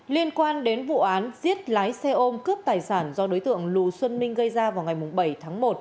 liên quan đến vụ án giết lái xe ôm cướp tài sản do đối tượng lù xuân ninh gây ra vào ngày bảy tháng một